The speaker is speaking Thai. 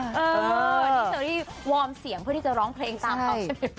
อันนี้เชอรี่วอร์มเสียงเพื่อที่จะร้องเพลงตามเขาใช่ไหม